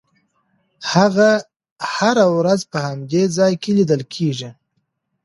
هغه هره ورځ په همدې ځای کې لیدل کېږي.